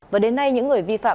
và đến nay những người vi phạm